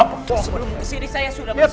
sebelum kesini saya sudah masuk